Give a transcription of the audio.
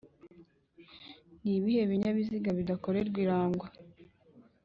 Nibihe binyabiziga bidakorerwa irangwa